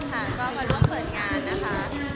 ค่ะก็คำจัดเรื่องเปิดงานนะครับ